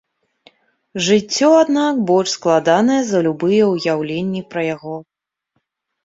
Жыццё, аднак, больш складанае за любыя ўяўленні пра яго.